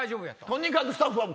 とにかくスタッフは。